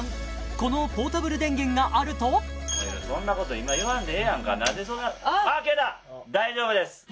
このポータブル電源があるとそんなこと今言わんでええやんかなんでそんなあっ